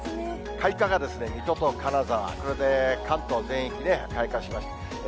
開花が水戸と金沢、これで関東全域で開花しました。